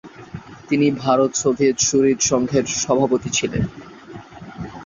তিনি ভারত-সোভিয়েত সুহৃদ সংঘের সভাপতি ছিলেন।